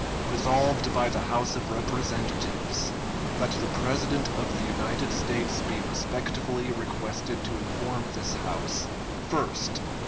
Resolved by the House of Representatives, That the President of the United States be respectfully requested to inform this House: _First.